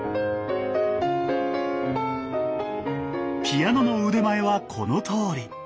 ピアノの腕前はこのとおり。